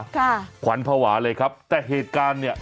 ขวัญภาวะเลยครับแต่เหตุการณ์เนี่ย